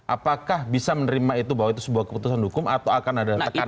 apakah bisa menerima itu bahwa itu sebuah keputusan hukum atau akan ada tekanan